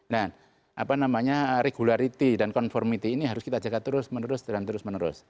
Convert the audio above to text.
dan regularity dan conformity ini harus kita jaga terus menerus dan terus menerus